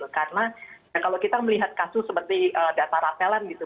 karena kalau kita melihat kasus seperti data rappel an gitu